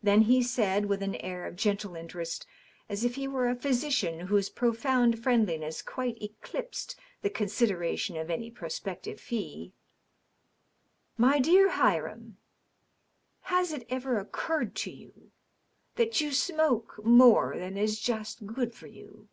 Then he said, with an air of gentle interest, as if he were a physician whose profound friendliness quite eclipsed the consideration of any prospective fee, —" My dear Hiram, has it ever occurred to you that yon smoke more than is just good for you?